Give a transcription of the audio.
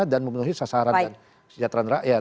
dan memenuhi sasaran dan sejahtera rakyat